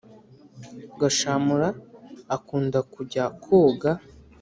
Gashamura akunda kujya koga